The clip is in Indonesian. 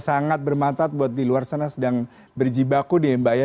sangat bermantat buat di luar sana sedang berjibaku deh mbak ya